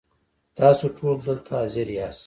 ستاسو ټول دلته حاضر یاست .